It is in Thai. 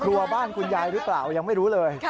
บ้านคุณยายหรือเปล่ายังไม่รู้เลย